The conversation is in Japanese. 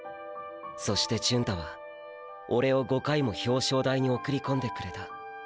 そして純太はーーオレを５回も表彰台に送り込んでくれた。